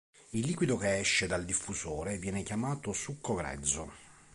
Il liquido che esce dal diffusore viene chiamato "succo grezzo".